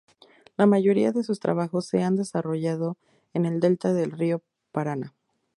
La mayoría de sus trabajos se han desarrollado en el Delta del río Paraná.